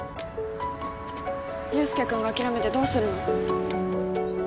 祐介君が諦めてどうするの？